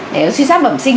nếu suy giáp bẩm sinh